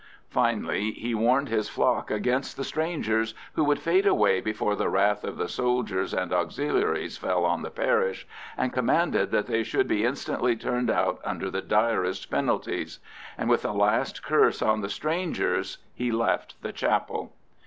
Finally, he warned his flock against the strangers, who would fade away before the wrath of the soldiers and Auxiliaries fell on the parish, and commanded that they should be instantly turned out under the direst penalties. And with a last curse on the strangers he left the chapel.